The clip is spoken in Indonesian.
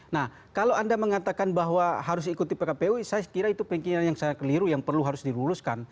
nah kalau anda mengatakan bahwa harus ikuti pkpu saya kira itu kemungkinan yang sangat keliru yang perlu harus diruluskan